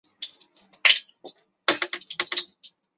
在港则法上称为京滨港横滨区。